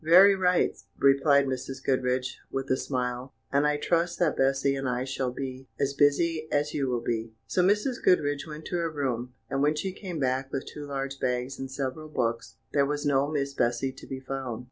"Very right," replied Mrs. Goodriche, with a smile; "and I trust that Bessy and I shall be as busy as you will be." So Mrs. Goodriche went to her room, and when she came back with two large bags and several books, there was no Miss Bessy to be found.